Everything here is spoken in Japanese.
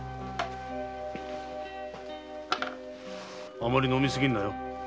あまり飲み過ぎるなよ。